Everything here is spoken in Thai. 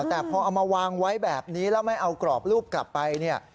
แต่พอเอามาวางไว้แบบนี้แล้วไม่เอากรอบรูปกลับไปเนี่ย